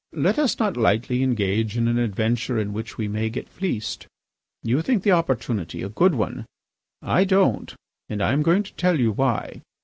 Let us not lightly engage in an adventure in which we may get fleeced. You think the opportunity a good one. I don't, and I am going to tell you why.